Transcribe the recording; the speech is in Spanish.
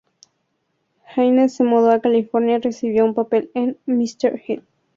Hines se mudó a California y recibió un papel en "Mister Ed".